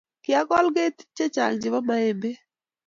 kiakol ketik chechang chebo maembek